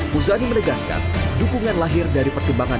huzani menegaskan dukungan lahir dari perkembangan